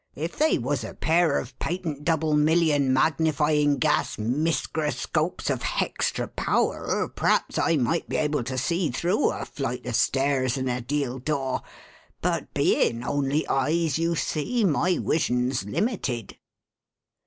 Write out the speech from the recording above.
If they was a pair o' patent double million magnifyin' gas miscroscopes of hextra power, p'r'aps I might be able to see through a flight o' stairs and a deal door; but bein' only eyes, you see, my wision's limited."